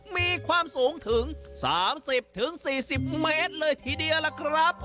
มีความสูงถึง๓๐๔๐เมตรเลยทีเดียวล่ะครับ